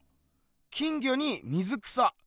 金魚に水草。